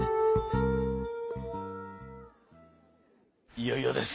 いよいよです。